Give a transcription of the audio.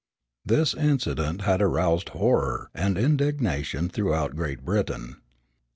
This incident had aroused horror and indignation throughout Great Britain.